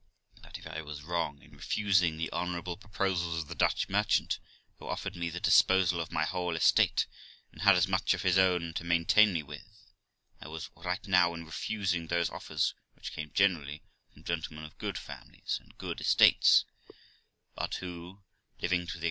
But if I was wrong in refusing the honourable proposals of the Dutch merchant, who offered me the disposal of my whole estate, and had as much of his own to maintain me with, I was right now in refusing those offers which came generally from gentlemen of good families aud good estates, but who, living to the